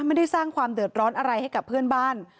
ไม่ได้สร้างความเดือดร้อนอะไรให้กับเพื่อนบ้าน